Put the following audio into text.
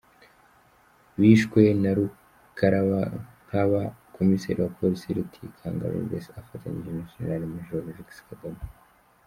Bishwe na Rukarabankaba komiseri wa polisi Rutikanga Rogers afatanyije na Generali majoro Alex Kagame.